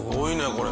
これ。